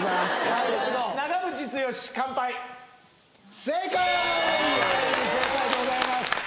はい正解でございます